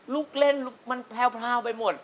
ลูกเล่นลูกมันแพรวไปหมด